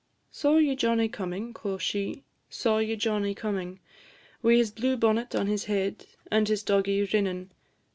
"Saw ye Johnnie comin'?" quo' she; "Saw ye Johnnie comin'? Wi' his blue bonnet on his head, And his doggie rinnin'.